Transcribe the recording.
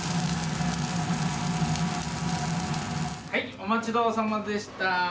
お待ちどおさまでした。